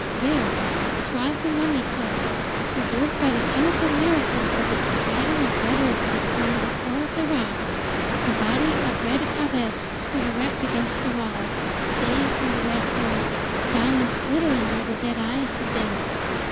There, swathed in mummy clothes, preserved by the chemical miracle of the stratum of red earth that formed the core of the rock, the body of Red Jabez stood erect against the wall, bathed in the red glow, diamonds glittering where the dead eyes had been.